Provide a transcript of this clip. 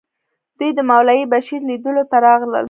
دوی د مولوي بشیر لیدلو ته راغلل.